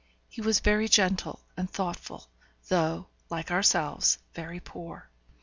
He was very gentle and thoughtful, though, like ourselves, very poor.